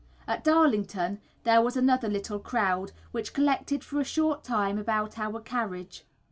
At Darlington there was another little crowd, which collected for a short time about our carriage.